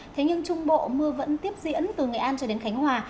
thế nhưng trung bộ mưa vẫn tiếp diễn từ nghệ an cho đến khánh hòa